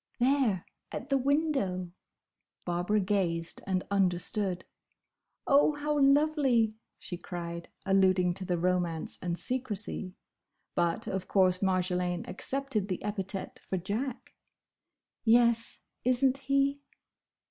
"There! At the window!" Barbara gazed and understood. "Oh, how lovely!" she cried, alluding to the romance and secrecy. But, of course Marjolaine accepted the epithet for Jack. "Yes, is n't he?"